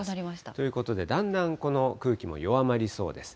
ということで、だんだんこの空気も弱まりそうです。